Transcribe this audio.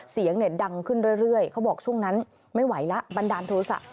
เสียงดังขึ้นเรื่อยเขาบอกช่วงนั้นไม่ไหวล่ะบันดาลทุรศะ